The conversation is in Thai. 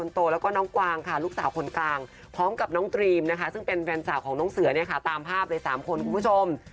ตามภาพเลย๓คนคุณผู้ชม